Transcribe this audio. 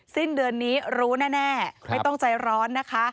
สิ้นเดือนนี้รู้แน่ไม่ต้องใจร้อนนะคะ